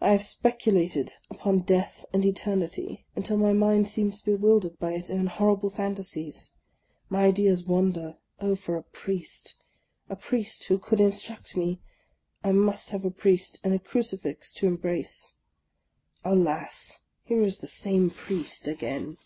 I have speculated upon Death and Eternity until my mind seems bewildered by its own horrible fantasies. My ideas wander. Oh, for a Priest, — a Priest who could instruct me! I must have a Priest, and a crucifix to embrace. Alas! here is the same Priest again!